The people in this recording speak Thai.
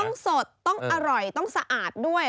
ต้องสดต้องอร่อยต้องสะอาดด้วย